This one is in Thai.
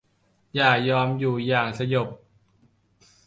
อย่ายอมอยู่อย่างสยบ